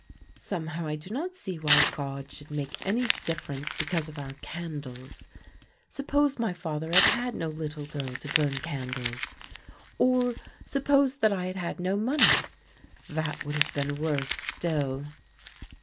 Somehow I do not see why God should make any difference because of our candles; suppose my father had had no little girl to burn candles; or suppose that I had had no money, that would have been worse still."